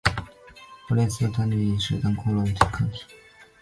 帕妥珠单抗是一种单克隆抗体。